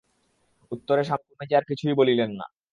উত্তরে স্বামীজী আর কিছুই বলিলেন না।